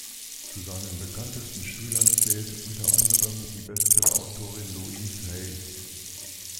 Zu seinen bekanntesten Schülern zählt unter anderem die Bestseller-Autorin Louise Hay.